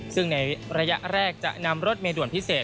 ซึ่งในระยะแรกจะนำรถเมด่วนพิเศษ